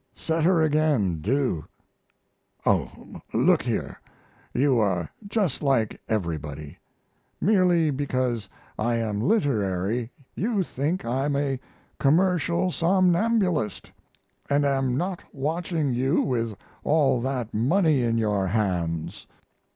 Set her again do! Oh, look here! You are just like everybody; merely because I am literary you think I'm a commercial somnambulist, and am not watching you with all that money in your hands.